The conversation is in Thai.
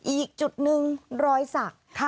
อีกจุดหนึ่งรอยสัก